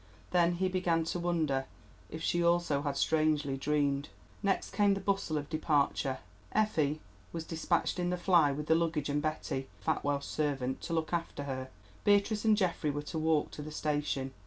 Then he began to wonder if she also had strangely dreamed. Next came the bustle of departure. Effie was despatched in the fly with the luggage and Betty, the fat Welsh servant, to look after her. Beatrice and Geoffrey were to walk to the station.